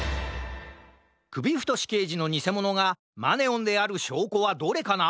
くびふとしけいじのにせものがマネオンであるしょうこはどれかな？